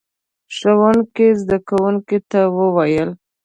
ښوونکي زده کوونکو ته وويل: